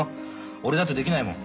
俺だってできないもん。